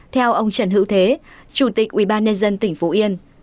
theo ông trần hữu thế chủ tịch ubnd tỉnh phú yên